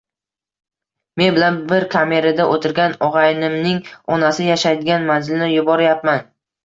Men bilan bir kamerada o`tirgan og`aynimning onasi yashaydigan manzilni yuboryapman